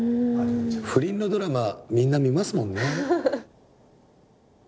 不倫のドラマみんな見ますもんね。